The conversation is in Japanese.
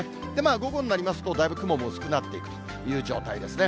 午後になりますと、だいぶ雲も薄くなっていくという状態ですね。